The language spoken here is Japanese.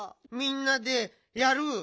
みんなでやる。